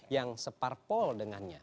yang separpol dengannya